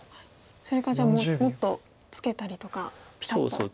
それかじゃあもっとツケたりとかピタッと。